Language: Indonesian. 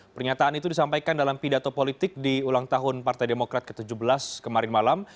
pernyataan itu disampaikan dalam pidato politik di ulang tahun partai demokrat ke tujuh belas kemarin malam